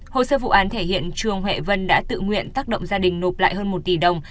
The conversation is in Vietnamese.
hồ sơ vụ án thể hiện trường huệ vân đã tự nguyện tác động gia đình nộp lại hơn một tỷ đồng